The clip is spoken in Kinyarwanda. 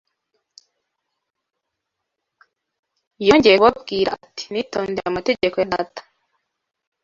Yongeye kubabwira ati: “Nitondeye amategeko ya Data.”